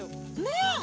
ねえ。